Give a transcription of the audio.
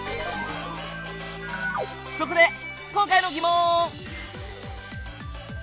そこで今回の疑問！